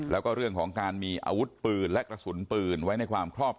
แล้วปืนที่หามาได้นี่ครับ